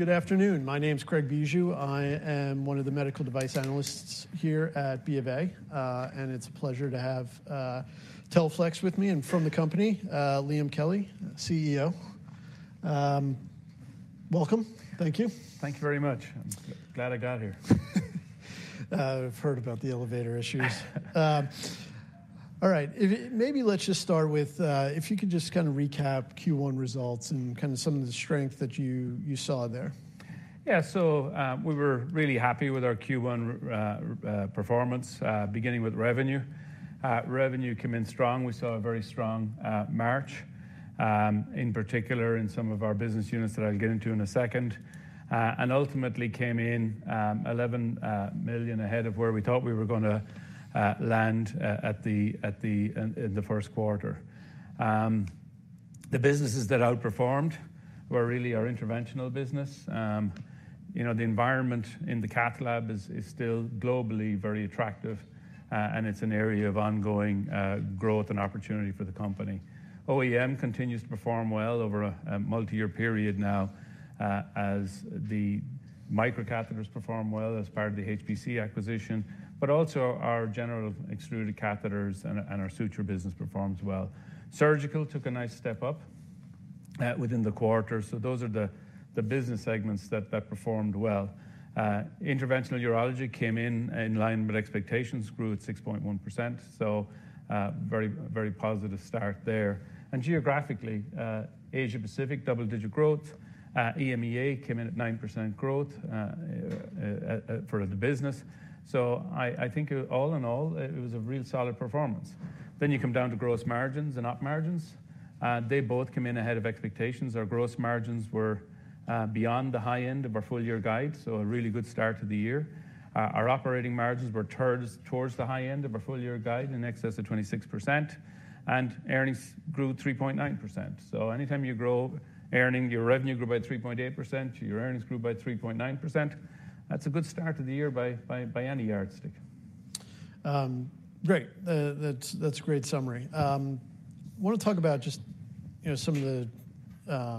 Good afternoon. My name's Craig Bijou. I am one of the medical device analysts here at B of A. And it's a pleasure to have Teleflex with me, and from the company, Liam Kelly, CEO. Welcome. Thank you. Thank you very much. Glad I got here. I've heard about the elevator issues. All right. Maybe let's just start with if you could just kind of recap Q1 results and kind of some of the strength that you, you saw there. Yeah, so, we were really happy with our Q1 performance, beginning with revenue. Revenue came in strong. We saw a very strong March, in particular in some of our business units that I'll get into in a second. And ultimately came in $11 million ahead of where we thought we were gonna land, in the Q1. The businesses that outperformed were really our interventional business. You know, the environment in the cath lab is still globally very attractive, and it's an area of ongoing growth and opportunity for the company. OEM continues to perform well over a multi-year period now, as the micro catheters perform well as part of the HPC acquisition, but also our general extruded catheters and our suture business performs well. Surgical took a nice step up within the quarter. So those are the business segments that performed well. Interventional urology came in line with expectations, grew at 6.1%, so very, very positive start there. And geographically, Asia Pacific, double-digit growth, EMEA came in at 9% growth for the business. So I think all in all, it was a real solid performance. Then you come down to gross margins and op margins, and they both come in ahead of expectations. Our gross margins were beyond the high end of our full-year guide, so a really good start to the year. Our operating margins were towards the high end of our full-year guide, in excess of 26%, and earnings grew 3.9%. So anytime you grow your revenue by 3.8%, your earnings grew by 3.9%, that's a good start to the year by any yardstick. Great. That's a great summary. I want to talk about just, you know, some of the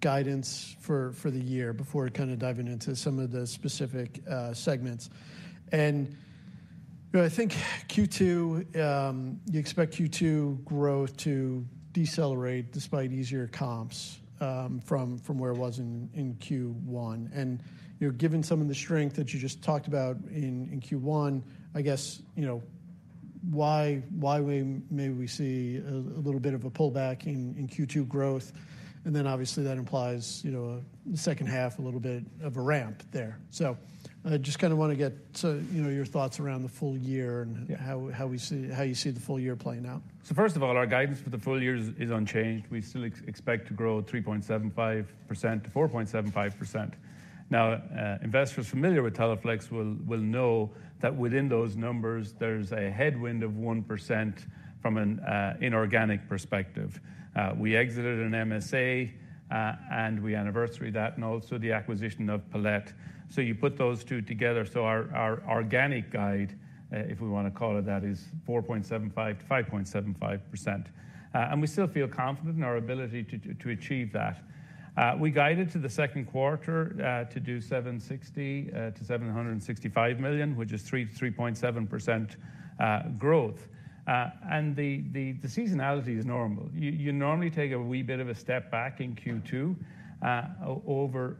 guidance for the year before kind of diving into some of the specific segments. I think Q2, you expect Q2 growth to decelerate despite easier comps from where it was in Q1. You know, given some of the strength that you just talked about in Q1, I guess, you know, why we may see a little bit of a pullback in Q2 growth? Then obviously that implies, you know, the second half, a little bit of a ramp there. So I just kind of want to get to, you know, your thoughts around the full year and how you see the full year playing out? So first of all, our guidance for the full year is unchanged. We still expect to grow 3.75% to 4.75%. Now, investors familiar with Teleflex will know that within those numbers, there's a headwind of 1% from an inorganic perspective. We exited an MSA, and we anniversary that, and also the acquisition of Palette. So you put those two together. So our organic guide, if we want to call it that, is 4.75% to 5.75%. And we still feel confident in our ability to achieve that. We guided to the Q2 to do $760 to $765 million, which is 3% to 3.7% growth. And the seasonality is normal. You normally take a wee bit of a step back in Q2 over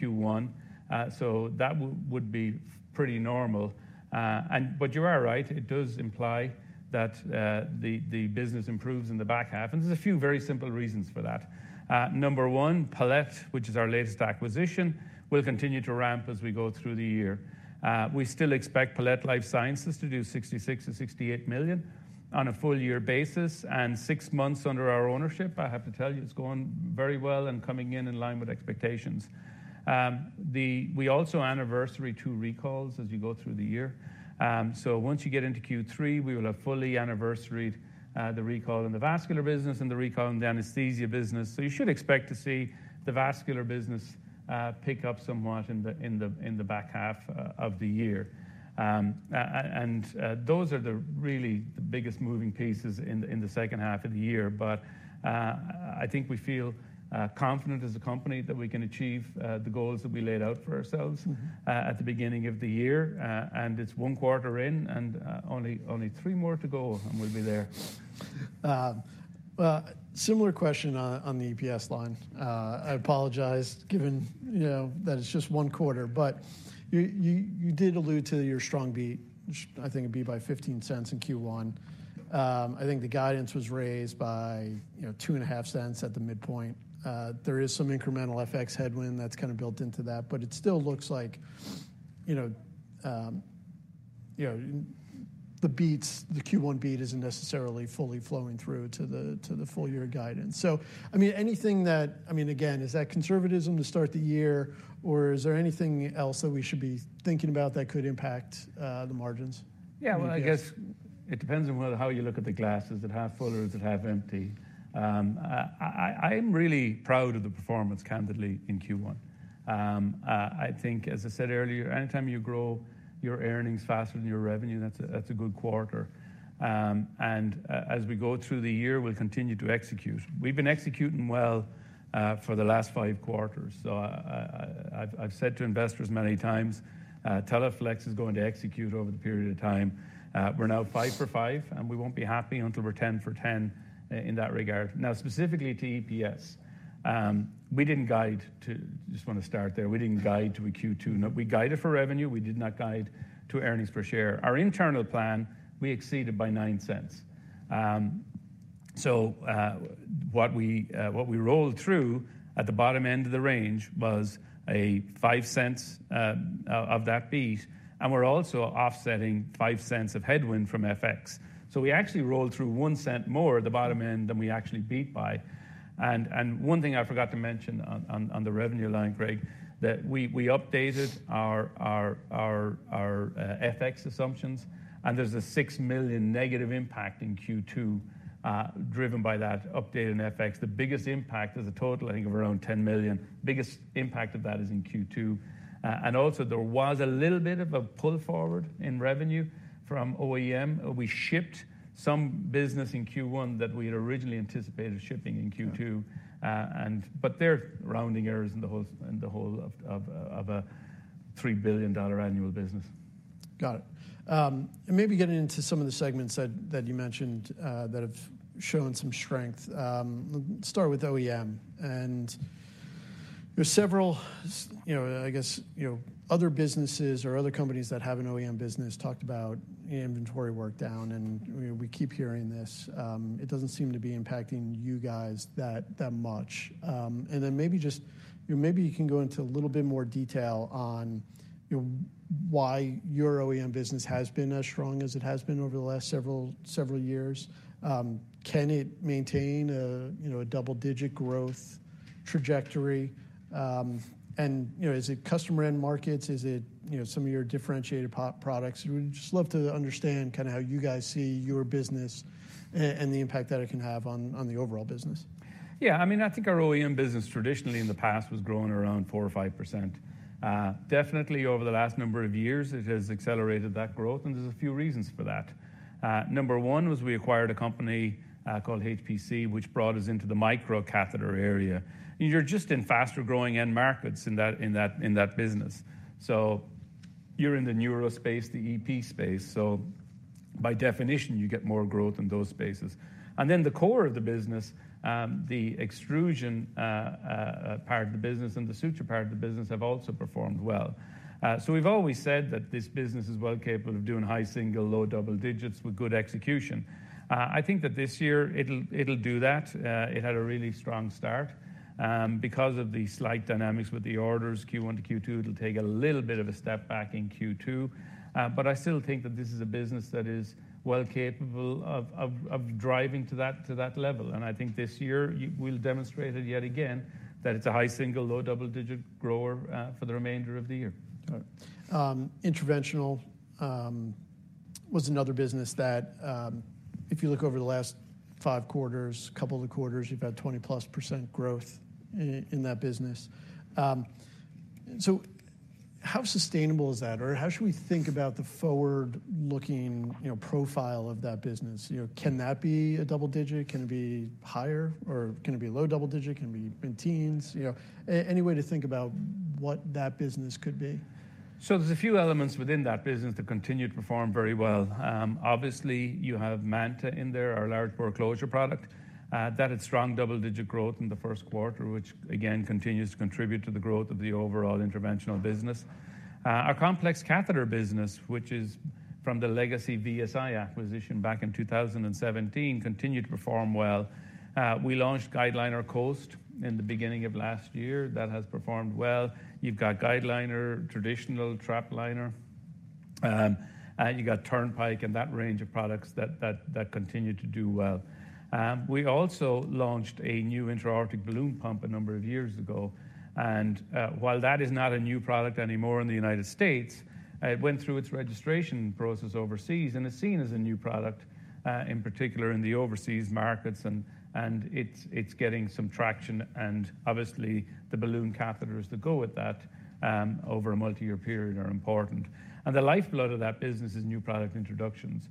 Q1, so that would be pretty normal. And but you are right, it does imply that the business improves in the back half, and there's a few very simple reasons for that. Number one, Palette, which is our latest acquisition, will continue to ramp as we go through the year. We still expect Palette Life Sciences to do $66 million-$68 million on a full year basis, and six months under our ownership, I have to tell you, it's going very well and coming in in line with expectations. We also anniversary two recalls as you go through the year. So once you get into Q3, we will have fully anniversaried the recall in the vascular business and the recall in the anesthesia business. So you should expect to see the vascular business pick up somewhat in the back half of the year. And those are really the biggest moving pieces in the second half of the year. But I think we feel confident as a company that we can achieve the goals that we laid out for ourselves-... at the beginning of the year. It's one quarter in, and only three more to go, and we'll be there. Well, similar question on the EPS line. I apologize, given you know that it's just one quarter, but you did allude to your strong beat, which I think it'd be by $0.15 in Q1. I think the guidance was raised by you know $0.025 at the midpoint. There is some incremental FX headwind that's kind of built into that, but it still looks like you know the beats, the Q1 beat isn't necessarily fully flowing through to the full year guidance. I mean, again, is that conservatism to start the year, or is there anything else that we should be thinking about that could impact the margins? Yeah, well, I guess it depends on whether how you look at the glass. Is it half full or is it half empty? I'm really proud of the performance, candidly, in Q1. I think as I said earlier, anytime you grow your earnings faster than your revenue, that's a good quarter. As we go through the year, we'll continue to execute. We've been executing well, for the last five quarters. So I've said to investors many times, Teleflex is going to execute over the period of time. We're now five for five, and we won't be happy until we're 10 for 10, in that regard. Now, specifically to EPS, we didn't guide to. Just want to start there. We didn't guide to a Q2. We guided for revenue; we did not guide to earnings per share. Our internal plan, we exceeded by $0.09. So, what we rolled through at the bottom end of the range was $0.05 of that beat, and we're also offsetting $0.05 of headwind from FX. So we actually rolled through $0.01 more at the bottom end than we actually beat by. And one thing I forgot to mention on the revenue line, Craig, that we updated our FX assumptions, and there's a $6 million negative impact in Q2, driven by that update in FX. The biggest impact is a total, I think, of around $10 million. Biggest impact of that is in Q2. And also there was a little bit of a pull forward in revenue from OEM. We shipped some business in Q1 that we had originally anticipated shipping in Q2. But they're rounding errors in the whole of a $3 billion annual business. Got it. Maybe getting into some of the segments that you mentioned that have shown some strength. Start with OEM. There's several, you know, I guess, you know, other businesses or other companies that have an OEM business talked about inventory work down, and, you know, we keep hearing this. It doesn't seem to be impacting you guys that much. Then maybe just, you know, maybe you can go into a little bit more detail on, you know, why your OEM business has been as strong as it has been over the last several years. Can it maintain a, you know, a double-digit growth trajectory? And, you know, is it customer-end markets? Is it, you know, some of your differentiated products? We'd just love to understand kind of how you guys see your business, and the impact that it can have on the overall business. Yeah, I mean, I think our OEM business, traditionally in the past, was growing around 4% or 5%. Definitely over the last number of years, it has accelerated that growth, and there's a few reasons for that. Number one was we acquired a company called HPC, which brought us into the microcatheter area. You're just in faster-growing end markets in that business. So you're in the neuro space, the EP space, so by definition, you get more growth in those spaces. And then the core of the business, the extrusion part of the business and the suture part of the business have also performed well. So we've always said that this business is well capable of doing high single, low double digits with good execution. I think that this year it'll do that. It had a really strong start. Because of the slight dynamics with the orders, Q1 to Q2, it'll take a little bit of a step back in Q2. But I still think that this is a business that is well capable of driving to that level. And I think this year we'll demonstrate it yet again, that it's a high single, low double-digit grower, for the remainder of the year. All right. Interventional was another business that, if you look over the last five quarters, couple of quarters, you've had 20%+ growth in that business. So how sustainable is that? Or how should we think about the forward-looking, you know, profile of that business? You know, can that be a double digit? Can it be higher, or can it be low double digit? Can it be in teens? You know, any way to think about what that business could be. So there's a few elements within that business that continue to perform very well. Obviously, you have MANTA in there, our large closure product. That had strong double-digit growth in the Q1, which again, continues to contribute to the growth of the overall interventional business. Our complex catheter business, which is from the legacy VSI acquisition back in 2017, continued to perform well. We launched GuideLiner Coast in the beginning of last year. That has performed well. You've got GuideLiner, traditional TrapLiner, and you got Turnpike and that range of products that continue to do well. We also launched a new intra-aortic balloon pump a number of years ago, and while that is not a new product anymore in the United States, it went through its registration process overseas and is seen as a new product in particular in the overseas markets. And it's getting some traction, and obviously, the balloon catheters that go with that over a multi-year period are important. And the lifeblood of that business is new product introductions.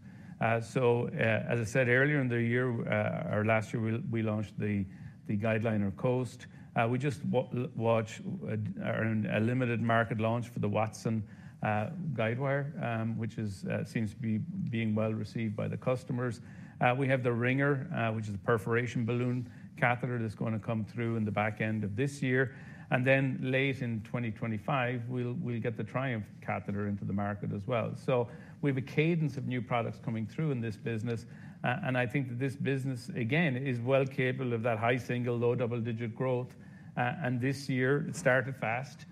So, as I said earlier in the year or last year, we launched the GuideLiner Coast. We just have a limited market launch for the Wattson guidewire, which seems to be being well received by the customers. We have the Ringer, which is a perforation balloon catheter that's going to come through in the back end of this year. Then late in 2025, we'll get the Triumph catheter into the market as well. So we have a cadence of new products coming through in this business, and I think that this business, again, is well capable of that high single-digit, low double-digit growth. This year it started fast,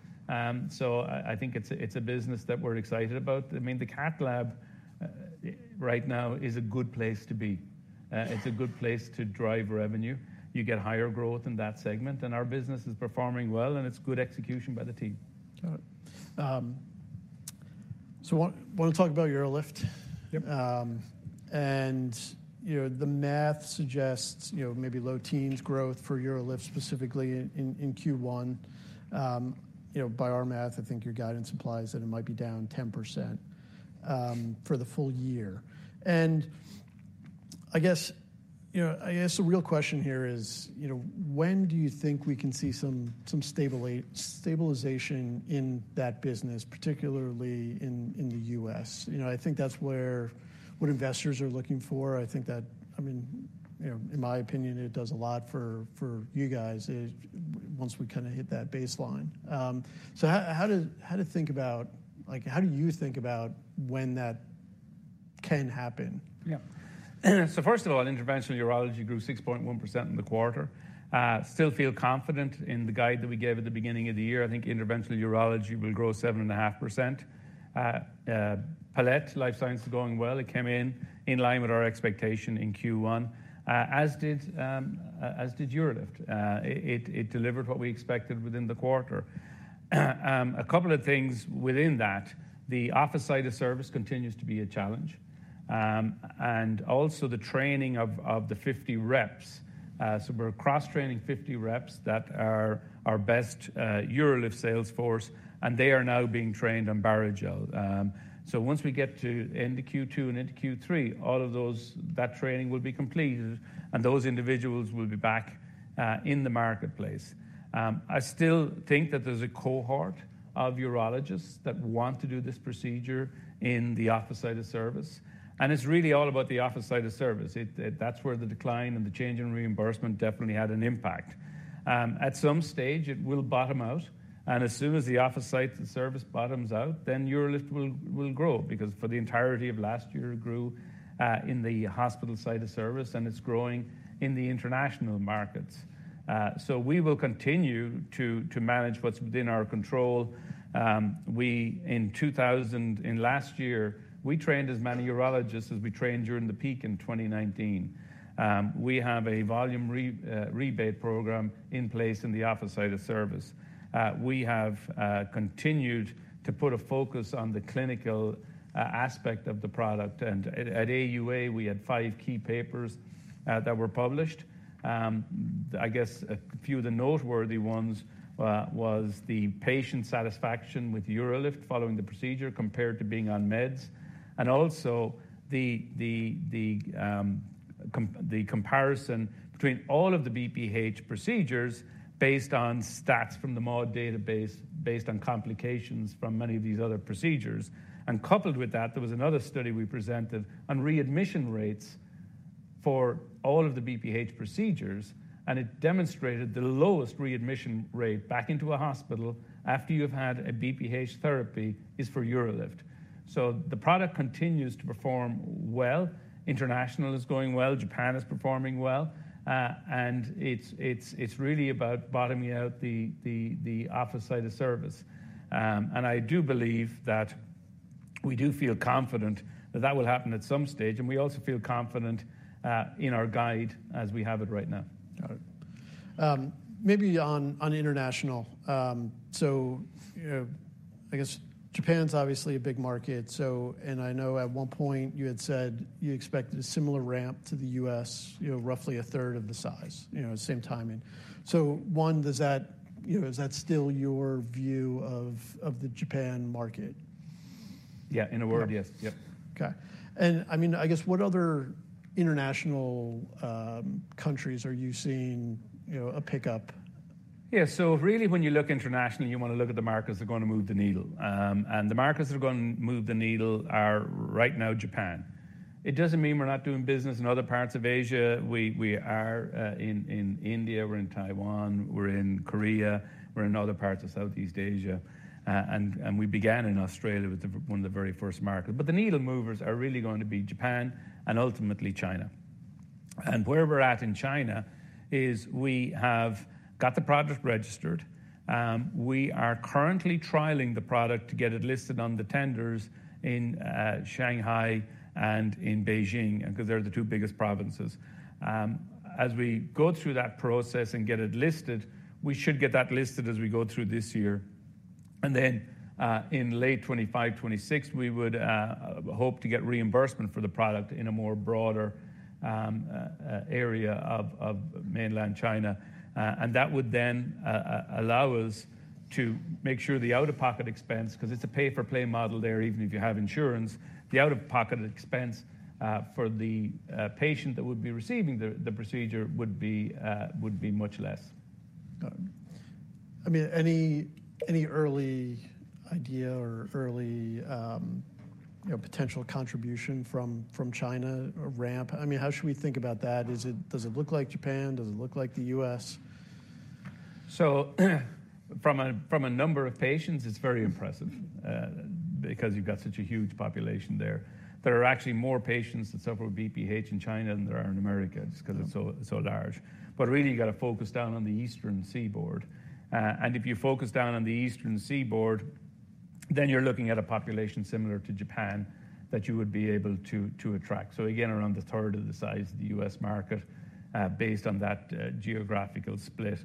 so I think it's a business that we're excited about. I mean, the cath lab right now is a good place to be. It's a good place to drive revenue. You get higher growth in that segment, and our business is performing well, and it's good execution by the team. Got it. So, want to talk about UroLift? You know, the math suggests, you know, maybe low teens growth for UroLift, specifically in Q1. You know, by our math, I think your guidance implies that it might be down 10%, for the full year. I guess, you know, the real question here is, you know, when do you think we can see some stabilization in that business, particularly in the US? You know, I think that's where what investors are looking for. I think that. I mean, you know, in my opinion, it does a lot for you guys, once we kinda hit that baseline. So how to think about, like, how do you think about when that can happen? Yeah. So first of all, interventional urology grew 6.1% in the quarter. Still feel confident in the guide that we gave at the beginning of the year. I think interventional urology will grow 7.5%. Palette Life Sciences is going well. It came in line with our expectation in Q1, as did UroLift. It delivered what we expected within the quarter. A couple of things within that, the office site of service continues to be a challenge, and also the training of the 50 reps. So we're cross-training 50 reps that are our best UroLift sales force, and they are now being trained on Barrigel. So once we get into Q2 and into Q3, all of those, that training will be completed, and those individuals will be back in the marketplace. I still think that there's a cohort of urologists that want to do this procedure in the office site of service, and it's really all about the office site of service. It, that's where the decline and the change in reimbursement definitely had an impact. At some stage, it will bottom out, and as soon as the office site of service bottoms out, then UroLift will grow, because for the entirety of last year, it grew in the hospital site of service, and it's growing in the international markets. So we will continue to manage what's within our control. We... In last year, we trained as many urologists as we trained during the peak in 2019. We have a volume rebate program in place in the office site of service. We have continued to put a focus on the clinical aspect of the product, and at AUA, we had five key papers that were published. I guess a few of the noteworthy ones was the patient satisfaction with UroLift following the procedure compared to being on meds, and also the comparison between all of the BPH procedures based on stats from the MAUDE database, based on complications from many of these other procedures. And coupled with that, there was another study we presented on readmission rates for all of the BPH procedures, and it demonstrated the lowest readmission rate back into a hospital after you've had a BPH therapy, is for UroLift. So the product continues to perform well. International is going well, Japan is performing well, and it's really about bottoming out the office site of service. And I do believe that we do feel confident that that will happen at some stage, and we also feel confident in our guide as we have it right now. Got it. Maybe on international. So, you know, I guess Japan's obviously a big market, so, and I know at one point you had said you expected a similar ramp to the U.S., you know, roughly a third of the size, you know, same timing. So, one, does that, you know, is that still your view of the Japan market? Yeah, in a word, yes. Yep. Yep. Okay. And I mean, I guess, what other international countries are you seeing, you know, a pickup? Yeah, so really, when you look internationally, you want to look at the markets that are going to move the needle. The markets that are going to move the needle are, right now, Japan. It doesn't mean we're not doing business in other parts of Asia. We are in India, we're in Taiwan, we're in Korea, we're in other parts of Southeast Asia, and we began in Australia with one of the very first markets. But the needle movers are really going to be Japan and ultimately China. And where we're at in China is we have got the product registered. We are currently trialing the product to get it listed on the tenders in Shanghai and in Beijing, because they're the two biggest provinces. As we go through that process and get it listed, we should get that listed as we go through this year. And then, in late 2025, 2026, we would hope to get reimbursement for the product in a more broader area of mainland China. And that would then allow us to make sure the out-of-pocket expense, 'cause it's a pay-for-play model there, even if you have insurance, the out-of-pocket expense for the patient that would be receiving the procedure would be much less. Got it. I mean, any early idea or early, you know, potential contribution from China or ramp? I mean, how should we think about that? Is it, does it look like Japan? Does it look like the U.S.? So from a number of patients, it's very impressive, because you've got such a huge population there. There are actually more patients that suffer with BPH in China than there are in America just because it's so, so large. But really, you've got to focus down on the Eastern Seaboard. And if you focus down on the Eastern Seaboard, then you're looking at a population similar to Japan that you would be able to attract. So again, around a third of the size of the U.S. market, based on that geographical split.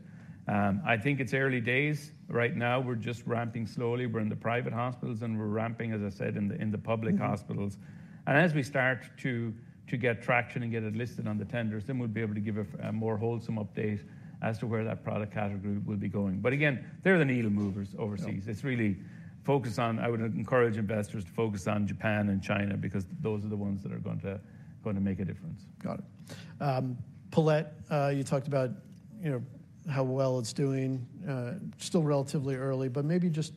I think it's early days. Right now, we're just ramping slowly. We're in the private hospitals, and we're ramping, as I said, in the public hospitals. And as we start to get traction and get it listed on the tenders, then we'll be able to give a more wholesome update as to where that product category will be going. But again, they're the needle movers overseas. Yeah. It's really focused on. I would encourage investors to focus on Japan and China because those are the ones that are going to, going to make a difference. Got it. Palette, you talked about, you know, how well it's doing, still relatively early, but maybe just,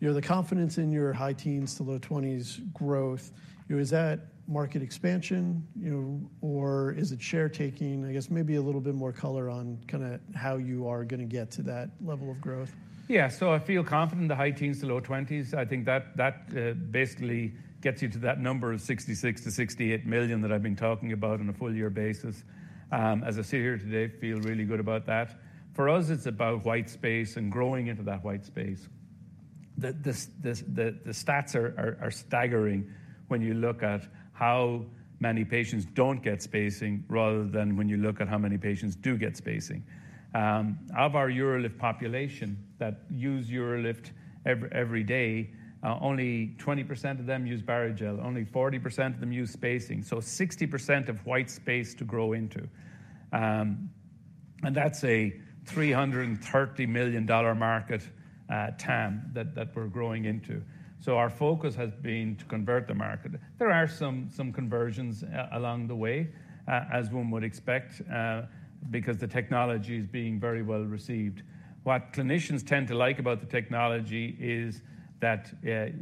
you know, the confidence in your high teens to low twenties growth, you know, is that market expansion, you know, or is it share taking? I guess maybe a little bit more color on kinda how you are gonna get to that level of growth. Yeah. So I feel confident the high teens to low twenties, I think that basically gets you to that number of $66-68 million that I've been talking about on a full year basis. As I sit here today, feel really good about that. For us, it's about white space and growing into that white space. The stats are staggering when you look at how many patients don't get spacing, rather than when you look at how many patients do get spacing. Of our UroLift population that use UroLift every day, only 20% of them use Barrigel, only 40% of them use spacing, so 60% of white space to grow into. And that's a $330 million market TAM that we're growing into. Our focus has been to convert the market. There are some conversions along the way, as one would expect, because the technology is being very well received. What clinicians tend to like about the technology is that, you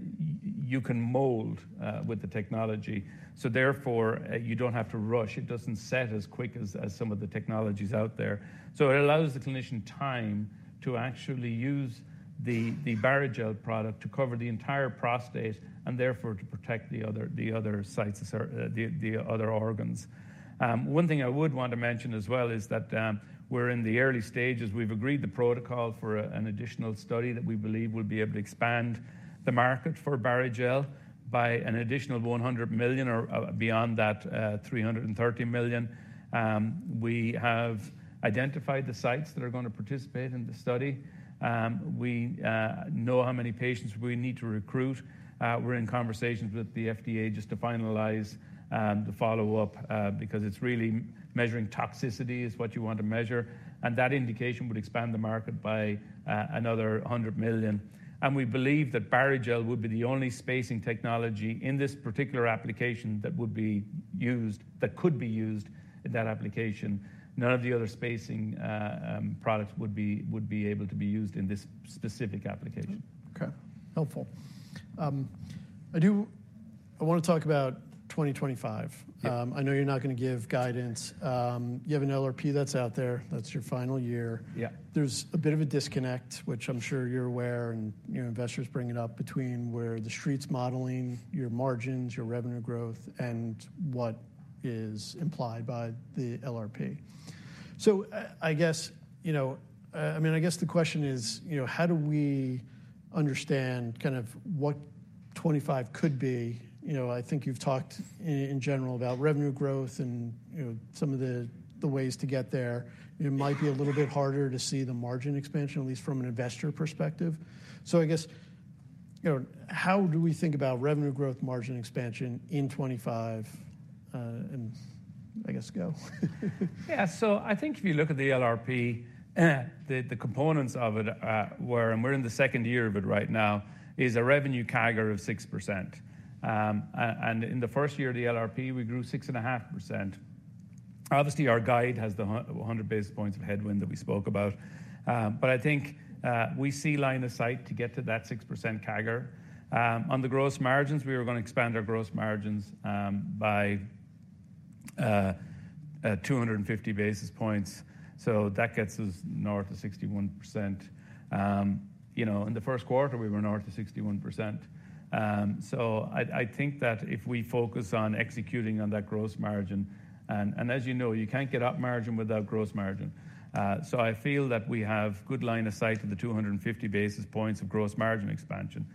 can mold with the technology, so therefore, you don't have to rush. It doesn't set as quick as some of the technologies out there. So it allows the clinician time to actually use the Barrigel product to cover the entire prostate, and therefore, to protect the other sites, or the other organs. One thing I would want to mention as well is that, we're in the early stages. We've agreed the protocol for an additional study that we believe will be able to expand the market for Barrigel by an additional $100 million or beyond that $330 million. We have identified the sites that are gonna participate in the study. We know how many patients we need to recruit. We're in conversations with the FDA just to finalize the follow-up because it's really measuring toxicity is what you want to measure, and that indication would expand the market by another $100 million. We believe that Barrigel would be the only spacing technology in this particular application that would be used that could be used in that application. None of the other spacing products would be able to be used in this specific application. Okay. Helpful. I wanna talk about 2025. I know you're not gonna give guidance. You have an LRP that's out there. That's your final year. Yeah. There's a bit of a disconnect, which I'm sure you're aware, and, you know, investors bring it up, between where the street's modeling, your margins, your revenue growth, and what is implied by the LRP. So I, I guess, you know, I mean, I guess the question is, you know, how do we understand kind of what 2025 could be? You know, I think you've talked in general about revenue growth and, you know, some of the, the ways to get there. It might be a little bit harder to see the margin expansion, at least from an investor perspective. So I guess, you know, how do we think about revenue growth, margin expansion in 2025, and I guess go? Yeah. So I think if you look at the LRP, the components of it, and we're in the second year of it right now, is a revenue CAGR of 6%. And in the first year of the LRP, we grew 6.5%. Obviously, our guide has the hundred basis points of headwind that we spoke about. But I think we see line of sight to get to that 6% CAGR. On the gross margins, we were gonna expand our gross margins by 250 basis points, so that gets us north of 61%. You know, in the Q1, we were north of 61%. So, I think that if we focus on executing on that gross margin, and as you know, you can't get operating margin without gross margin. So I feel that we have good line of sight to the 250 basis points of gross margin expansion.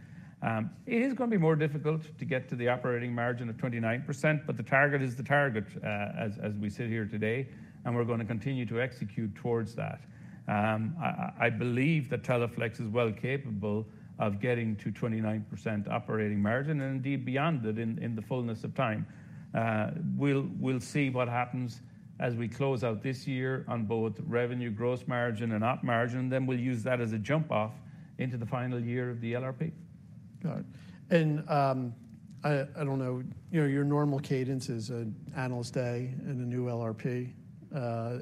It is gonna be more difficult to get to the operating margin of 29%, but the target is the target, as we sit here today, and we're gonna continue to execute towards that. I believe that Teleflex is well capable of getting to 29% operating margin, and indeed beyond it, in the fullness of time. We'll see what happens as we close out this year on both revenue, gross margin, and op margin, then we'll use that as a jump-off into the final year of the LRP. Got it. And, I don't know, you know, your normal cadence is an analyst day and a new LRP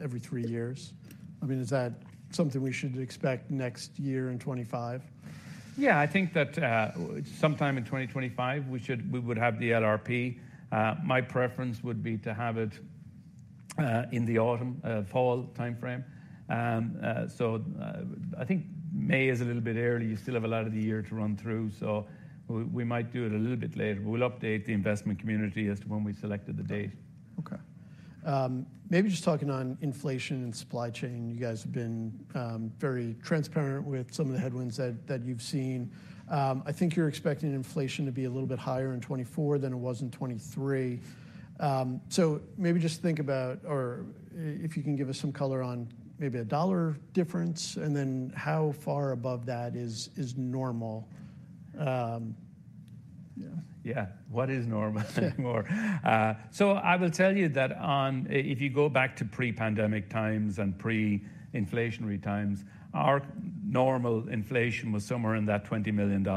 every three years. I mean, is that something we should expect next year in 2025? Yeah, I think that sometime in 2025, we would have the LRP. My preference would be to have it in the autumn, fall timeframe. So I think May is a little bit early. You still have a lot of the year to run through, so we might do it a little bit later. We'll update the investment community as to when we selected the date. Okay. Maybe just talking on inflation and supply chain, you guys have been very transparent with some of the headwinds that you've seen. I think you're expecting inflation to be a little bit higher in 2024 than it was in 2023. So maybe just think about if you can give us some color on maybe a dollar difference, and then how far above that is normal. What is normal anymore? So I will tell you that if you go back to pre-pandemic times and pre-inflationary times, our normal inflation was somewhere in that $20 million.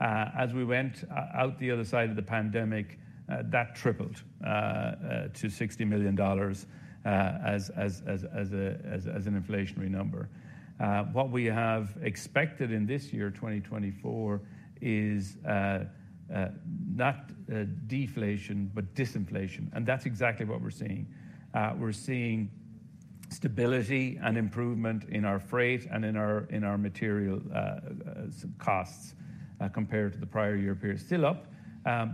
As we went out the other side of the pandemic, that tripled to $60 million as an inflationary number. What we have expected in this year, 2024, is not deflation, but disinflation, and that's exactly what we're seeing. We're seeing stability and improvement in our freight and in our material costs compared to the prior year period. Still up,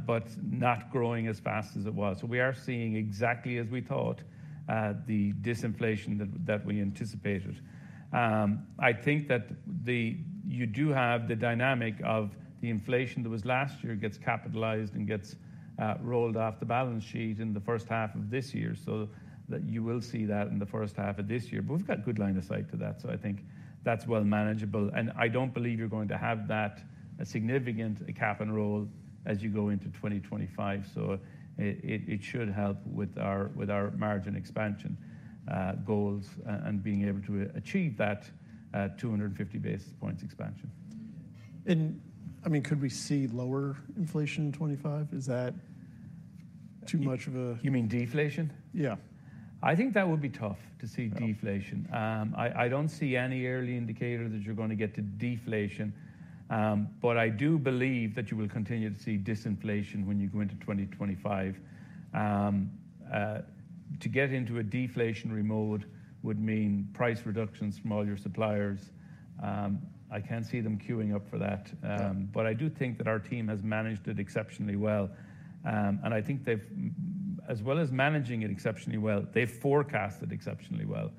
but not growing as fast as it was. So we are seeing exactly as we thought the disinflation that we anticipated. You do have the dynamic of the inflation that was last year gets capitalized and gets rolled off the balance sheet in the first half of this year, so that you will see that in the first half of this year. But we've got good line of sight to that, so I think that's well manageable. And I don't believe you're going to have that, a significant cap and roll as you go into 2025, so it, it, it should help with our, with our margin expansion goals and being able to achieve that, 250 basis points expansion. I mean, could we see lower inflation in 2025? Is that too much of a- You mean deflation? Yeah. I think that would be tough, to see deflation. I don't see any early indicator that you're going to get to deflation, but I do believe that you will continue to see disinflation when you go into 2025. To get into a deflationary mode would mean price reductions from all your suppliers. I can't see them queuing up for that. Yeah. But I do think that our team has managed it exceptionally well. And I think they've, as well as managing it exceptionally well, they've forecasted exceptionally well.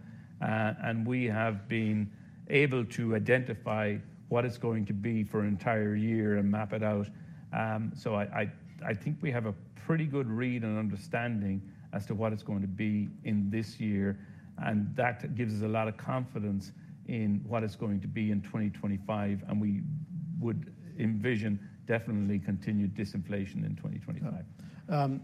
And we have been able to identify what it's going to be for an entire year and map it out. So I think we have a pretty good read and understanding as to what it's going to be in this year, and that gives us a lot of confidence in what it's going to be in 2025, and we would envision definitely continued disinflation in 2025.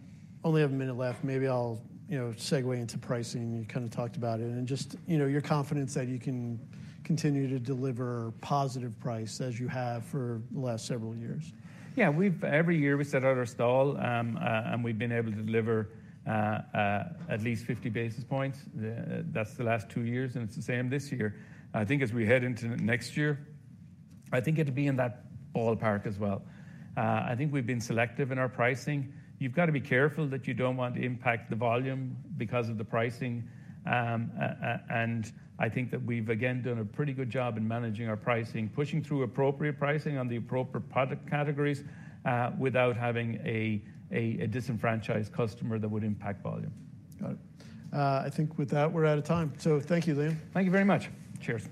Only have a minute left. Maybe I'll, you know, segue into pricing. You kind of talked about it, and just, you know, your confidence that you can continue to deliver positive price as you have for the last several years. Yeah, every year we set out our stall, and we've been able to deliver at least 50 basis points. That's the last two years, and it's the same this year. I think as we head into next year, I think it'd be in that ballpark as well. I think we've been selective in our pricing. You've got to be careful that you don't want to impact the volume because of the pricing. And I think that we've, again, done a pretty good job in managing our pricing, pushing through appropriate pricing on the appropriate product categories, without having a disenfranchised customer that would impact volume. Got it. I think with that, we're out of time. So thank you, Liam. Thank you very much. Cheers.